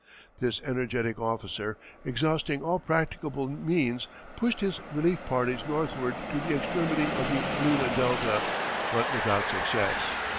This energetic officer, exhausting all practicable means, pushed his relief parties northward to the extremity of the Lena Delta, but without success.